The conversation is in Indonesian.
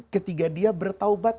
ketika dia bertaubat